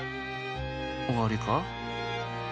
おわりか？